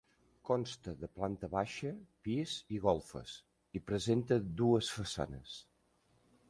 Consta de planta baixa, pis i golfes, i presenta dues façanes.